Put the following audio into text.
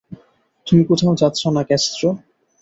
তুমি কোথাও যাচ্ছো না, ক্যাস্ট্রো।